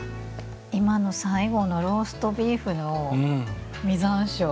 今の最後のローストビーフの実山椒。